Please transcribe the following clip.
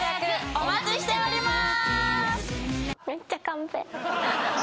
お待ちしております。